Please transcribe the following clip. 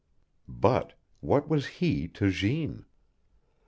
But what was he to Jeanne?